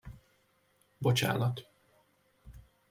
Bocsánat...